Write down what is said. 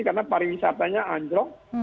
karena pariwisatanya anjlok